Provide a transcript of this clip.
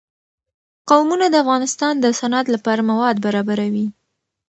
قومونه د افغانستان د صنعت لپاره مواد برابروي.